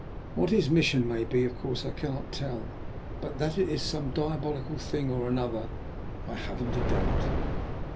What his mission may be, of course I cannot tell, but that it is some diabolical thing or another I haven't a doubt."